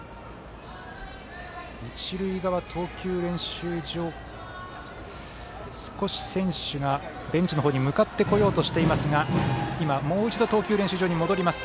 一塁側、投球練習場少し、選手がベンチの方に向かってこようとしていますが今、もう一度投球練習場に戻ります。